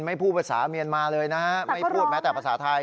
พูดภาษาเมียนมาเลยนะฮะไม่พูดแม้แต่ภาษาไทย